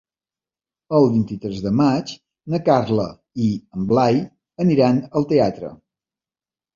El vint-i-tres de maig na Carla i en Blai aniran al teatre.